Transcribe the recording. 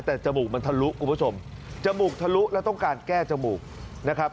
แต่จมูกมันทะลุคุณผู้ชมจมูกทะลุแล้วต้องการแก้จมูกนะครับ